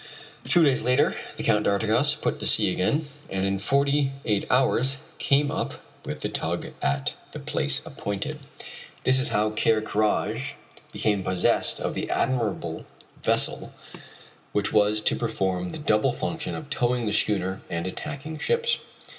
Two days later the Count d'Artigas put to sea again, and in forty eight hours came up with the tug at the place appointed. This is how Ker Karraje became possessed of the admirable vessel which was to perform the double function of towing the schooner and attacking ships.